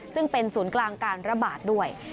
ซึ่งเป็นศูนย์กลางการระบาดด้วย